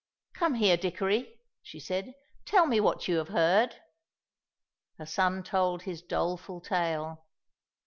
"Come here, Dickory," she said, "and tell me what you have heard?" Her son told his doleful tale.